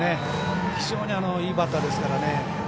非常にいいバッターですからね。